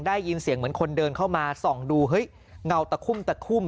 ได้ยินเสียงเหมือนคนเดินเข้ามาส่องดูเฮ้ยเงาตะคุ่มตะคุ่ม